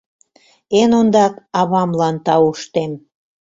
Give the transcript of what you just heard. Эн ондак авамлан тауштем.